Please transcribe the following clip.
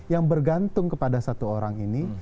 yang bergantung kepada satu orang ini